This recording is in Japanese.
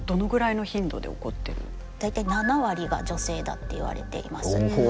大体７割が女性だって言われています。